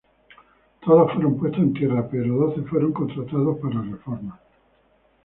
Todos fueron puestos en tierra, pero doce fueron contratados para reformas.